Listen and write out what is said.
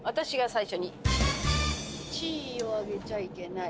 １位を挙げちゃいけない。